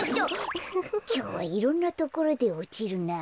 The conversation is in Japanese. きょうはいろんなところでおちるなあ。